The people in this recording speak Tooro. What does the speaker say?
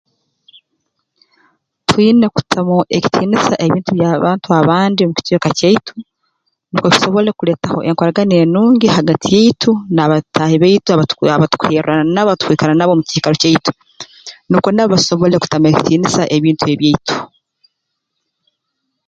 Twine kutamu ekitiinisa ebintu by'abantu abandi omu kicweka kyaitu nukwo tusobole kuleetaho enkoragana enungi hagati yaitu n'abataahi baitu abatu abatukuherraana nabo rundi kwikara nabo mu kiikaro kyaitu nukwo nabo basobole kutamu ekitiinisa ebintu ebyaitu